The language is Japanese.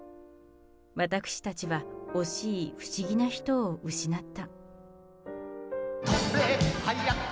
私たちは惜しい、不思議な人を失った。